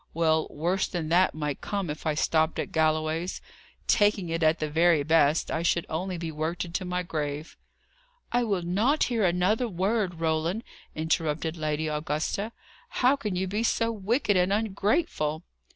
Well, worse than that might come, if I stopped at Galloway's. Taking it at the very best, I should only be worked into my grave." "I will not hear another word, Roland," interrupted Lady Augusta. "How can you be so wicked and ungrateful?"